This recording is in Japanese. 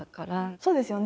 そうですよね。